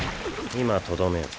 今とどめを。